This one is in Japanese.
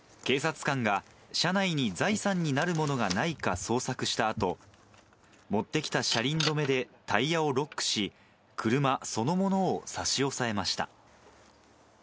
警察官が、車内に財産になるものがないか捜索したあと、持ってきた車輪止めでタイヤをロックし、車そのものを差し押さえました。